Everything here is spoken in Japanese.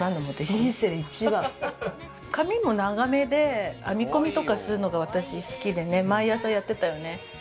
髪も長めで編みこみとかするのが私好きで、毎朝やってたよね。